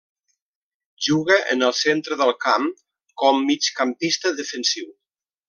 Juga en el centre del camp, com migcampista defensiu.